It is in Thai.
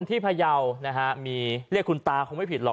พยาวนะฮะมีเรียกคุณตาคงไม่ผิดหรอก